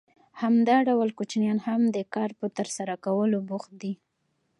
همدا ډول کوچنیان هم د کار په ترسره کولو بوخت دي